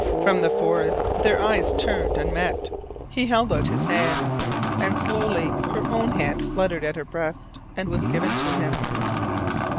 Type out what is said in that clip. From the forests their eyes turned and met. He held out his hand. And slowly her own hand fluttered at her breast, and was given to him.